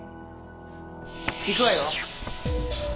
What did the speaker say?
行くわよ。